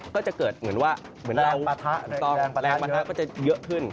ก็จะเกิดเหมือนว่าแรงปะทะก็จะเยอะขึ้น